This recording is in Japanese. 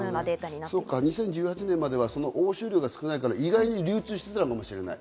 ２０１８年までは押収量が少ないから、意外に流通してたのかもしれない。